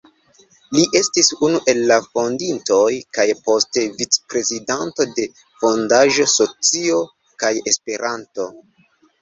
Li estis unu el la fondintoj, kaj poste vicprezidanto de Fondaĵo "Socio kaj Esperanto".